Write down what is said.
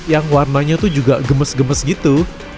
yang warnanya tuh juga gemes gemes gitu